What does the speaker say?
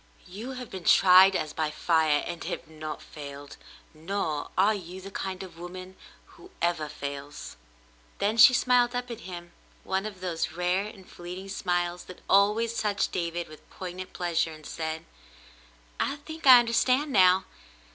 '* "You have been tried as by fire and have not failed — nor are you the kind of woman who ever fails." Then she smiled up at him one of those rare and fleeting smiles that always touched David with poignant pleasure, and said : "I think I understand now.